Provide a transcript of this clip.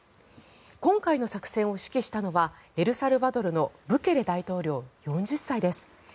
今回の作戦を指揮したのはエルサルバドルのブケレ大統領４０歳です。